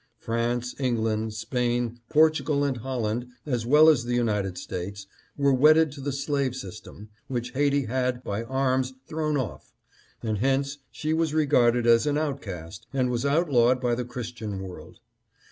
France, England, Spain, Portugal and Holland, as well as the United States, were wedded to the slave system, which Haiti had, by arms, thrown off ; and hence she was regarded as an outcast, and was outlawed by the Chris tian world.